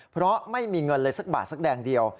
เพราะไม่มีเงินเลยสักบาทสักแดงเดียว